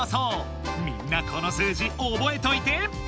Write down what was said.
みんなこの数字おぼえといて！